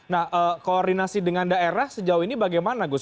nah koordinasi dengan daerah sejauh ini bagaimana gus